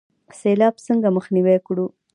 سیلاب څنګه مخنیوی کړو؟